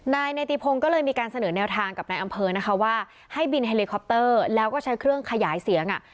นายเนติพงศ์ก็เลยมีการเสนอแนวทางกับนายอำเภอนะคะว่าให้บินเฮลิคอปเตอร์แล้วก็ใช้เครื่องขยายเสียงอ่ะ